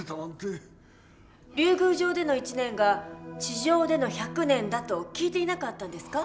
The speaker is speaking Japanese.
竜宮城での１年が地上での１００年だと聞いていなかったんですか？